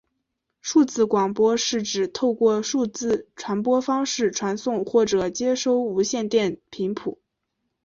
数字广播是指透过数字传播方式传送或者接收无线电频谱。